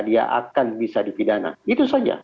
dia akan bisa dipidana itu saja